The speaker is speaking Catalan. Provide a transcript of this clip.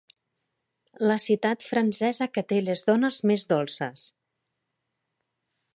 La ciutat francesa que té les dones més dolces.